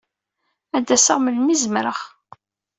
Ad d-aseɣ melmi ay zemreɣ.